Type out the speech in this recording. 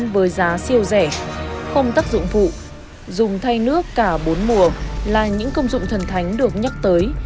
với giá siêu rẻ không tác dụng phụ dùng thay nước cả bốn mùa là những công dụng thần thánh được nhắc tới